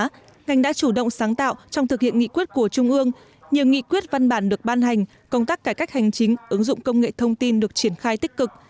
trong đó ngành đã chủ động sáng tạo trong thực hiện nghị quyết của trung ương nhiều nghị quyết văn bản được ban hành công tác cải cách hành chính ứng dụng công nghệ thông tin được triển khai tích cực